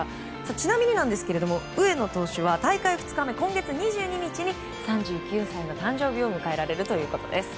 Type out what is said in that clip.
ちなみに、上野投手は大会２日目、今月２２日に３９歳の誕生日を迎えられるということです。